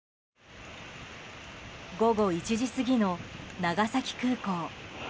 午後１時過ぎの長崎空港。